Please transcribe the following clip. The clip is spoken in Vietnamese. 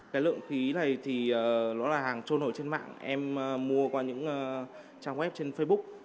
cái lượng khí này thì nó là hàng trôi nổi trên mạng em mua qua những trang web trên facebook